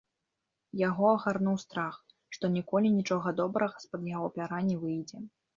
Яго агарнуў страх, што ніколі нічога добрага з-пад яго пяра не выйдзе.